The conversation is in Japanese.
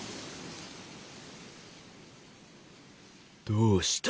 どうした？